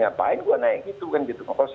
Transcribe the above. ngapain gua naik gitu kan gitu